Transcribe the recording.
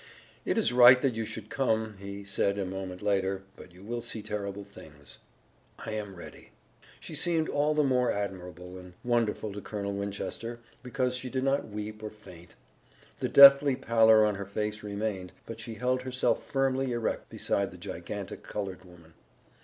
"It is right that you should come," he said a moment later, "but you will see terrible things." "I am ready." She seemed all the more admirable and wonderful to Colonel Winchester, because she did not weep or faint. The deathly pallor on her face remained, but she held herself firmly erect beside the gigantic colored woman.